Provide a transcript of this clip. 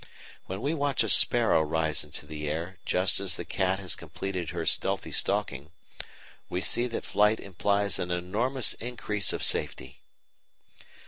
When we watch a sparrow rise into the air just as the cat has completed her stealthy stalking, we see that flight implies an enormous increase of safety.